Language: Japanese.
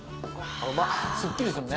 すっきりするね。